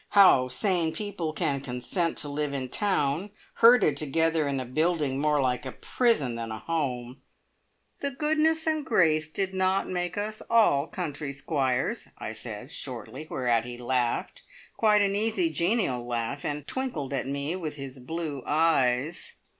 How sane people can consent to live in town, herded together in a building more like a prison than a home " "`The goodness and the grace' did not make us all country squires!" I said shortly, whereat he laughed quite an easy, genial laugh, and twinkled at me with his blue eyes.